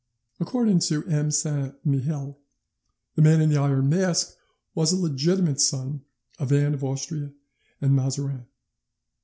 According to M. de Saint Mihiel, the 'Man in the Iron Mask was a legitimate son of Anne of Austria and Mazarin'.